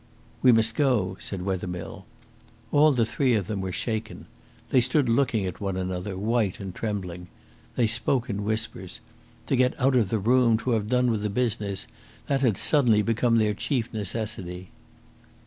"We must go," said Wethermill. All the three of them were shaken. They stood looking at one another, white and trembling. They spoke in whispers. To get out of the room, to have done with the business that had suddenly become their chief necessity.